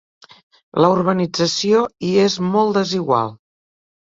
La urbanització hi és molt desigual.